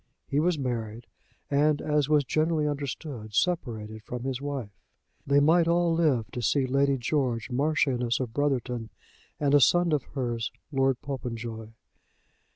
He was married, and, as was generally understood, separated from his wife. They might all live to see Lady George Marchioness of Brotherton and a son of hers Lord Popenjoy.